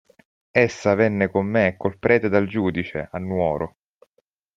Essa venne con me e col prete dal giudice, a Nuoro.